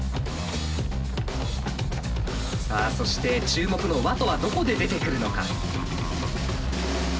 さあそして注目のＷＡＴＯはどこで出てくるのか。